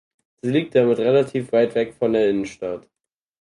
Sie liegt damit relativ weit weg von der Innenstadt.